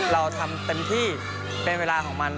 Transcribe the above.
เราทำเต็มที่เป็นเวลาของมัน